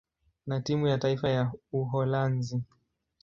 na timu ya taifa ya Uholanzi.